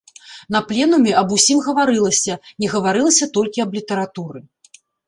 На пленуме аб усім гаварылася, не гаварылася толькі аб літаратуры.